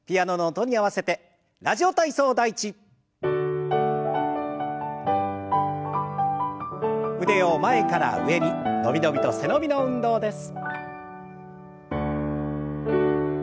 腕を前から上に伸び伸びと背伸びの運動です。